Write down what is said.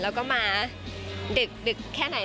แล้วก็มาดึกแค่ไหน